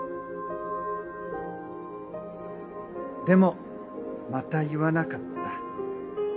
でもまた言わなかった。